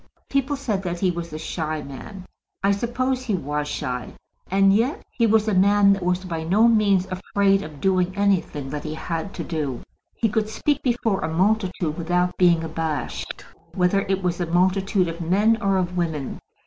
People said that he was a shy man. I suppose he was shy, and yet he was a man that was by no means afraid of doing anything that he had to do. He could speak before a multitude without being abashed, whether it was a multitude of men or of women.